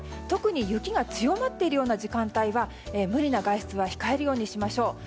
特に雪が強まっているような時間帯は無理な外出は控えるようにしましょう。